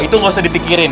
itu ga usah dipikirin